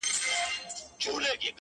په دغسي شېبو كي عام اوخاص اړوي سـترگي،